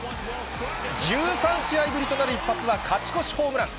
１３試合ぶりとなる一発は勝ち越しホームラン。